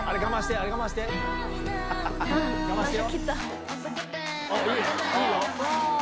あれ我慢してよ！